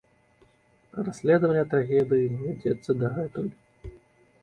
Расследаванне трагедыі вядзецца дагэтуль.